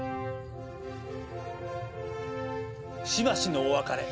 しばしのお別れ。